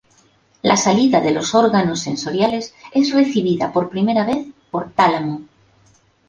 La salida de los órganos sensoriales es recibida por primera vez por Tálamo.